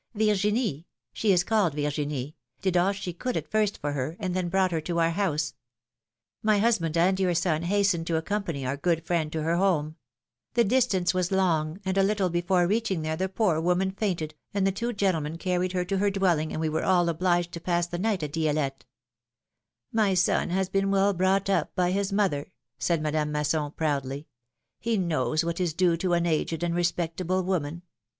Virginie — she is called Virginie — did all she could at first for her, and then brought her to our house ; ray husband and your son hastened to accompany our good friend to her home; the distance was long, and a little before reaching there the poor woman fainted, and the two gentlemen carried her to her dwelling and we were all obliged to pass the night at Di^lette.^^ ''My son has been well brought up by his mother, PHILOMi:NE^S MARRIAGES. 273 said Madame Masson, proudly; he knows what is due to an aged and respectable woman.